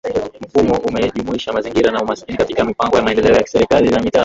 Mfumo umejumuisha mazingira na umaskini katika mipango ya maendeleo ya serikali za mitaa